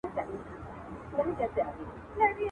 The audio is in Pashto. ښکاري هره ورځ څلور پنځه ټاکلې !.